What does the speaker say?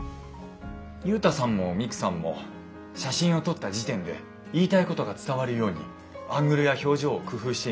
ユウタさんもミクさんも写真を撮った時点で言いたいことが伝わるようにアングルや表情を工夫していましたよね。